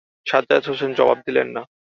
সাজ্জাদ হোসেন জবাব দিলেন না।